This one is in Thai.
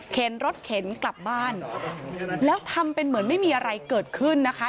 รถเข็นกลับบ้านแล้วทำเป็นเหมือนไม่มีอะไรเกิดขึ้นนะคะ